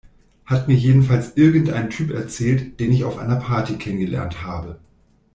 Hat mir jedenfalls irgendein Typ erzählt, den ich auf einer Party kennengelernt habe.